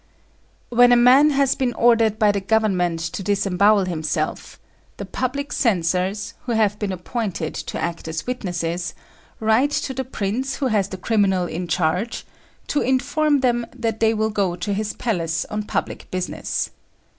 When a man has been ordered by the Government to disembowel himself, the public censors, who have been appointed to act as witnesses, write to the prince who has the criminal in charge, to inform them that they will go to his palace on public business.